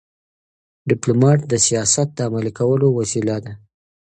ډيپلومات د سیاست د عملي کولو وسیله ده.